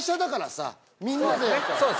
みんなで。